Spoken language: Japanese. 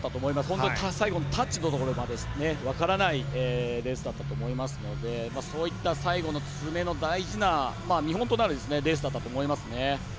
本当に最後のタッチのところまで分からないレースだったと思いますのでそういった最後の詰めの大事な見本となるレースだったと思います。